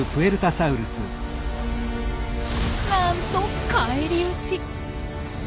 なんと返り討ち。